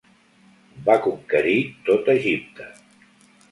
Va conquerir tot Egipte.